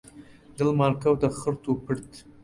دڵمان کەوتە خرت و پرت